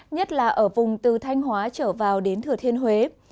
nhất là ở vùng từ thanh hóa trở vào đến thừa thiên huế